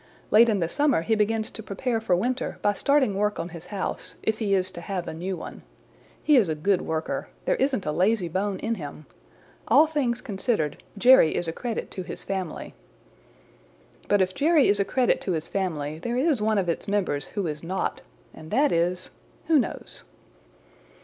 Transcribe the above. Late in the summer he begins to prepare for winter by starting work on his house, if he is to have a new one. He is a good worker. There isn't a lazy bone in him. All things considered, Jerry is a credit to his family. "But if Jerry is a credit to his family there is one of its members who is not and that is who knows?"